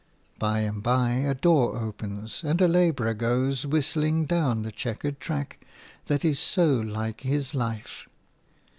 By and by a door opens, and a labourer goes whistling down the chequered track that is so like his life.